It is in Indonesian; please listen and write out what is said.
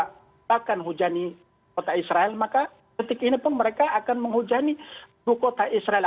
kalau mereka mengangkat senjata di kota israel maka ketika inipun mereka akan menghujani suku kota israel